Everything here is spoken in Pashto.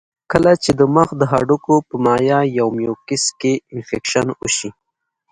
چې کله د مخ د هډوکو پۀ مائع يا ميوکس کې انفکشن اوشي